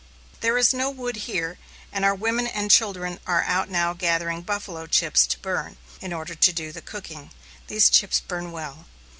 There is no wood here, and our women and children are out now gathering "buffalo chips" to burn, in order to do the cooking. These chips burn well.